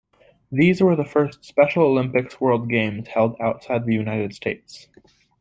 These were the first Special Olympics World Games held outside the United States.